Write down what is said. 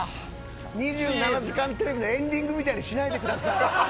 ２７時間テレビのエンディングみたいにしないでください。